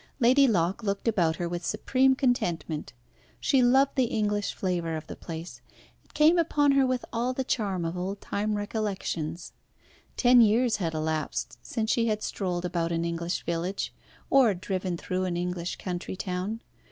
Lady Locke looked about her with supreme contentment. She loved the English flavour of the place. It came upon her with all the charm of old time recollections. Ten years had elapsed since she had strolled about an English village, or driven through an English country town.